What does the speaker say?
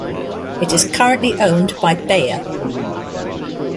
It is currently owned by Bayer.